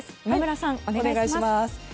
今村さん、お願いします。